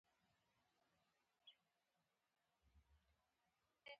پیاله د نعتونو ذکر لري.